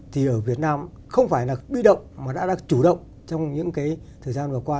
thì ở việt nam không phải là bi động mà đã là chủ động trong những cái thời gian vừa qua